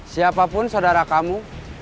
siapapun saudara kamu